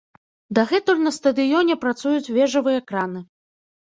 Дагэтуль на стадыёне працуюць вежавыя краны.